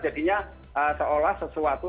jadinya seolah sesuatu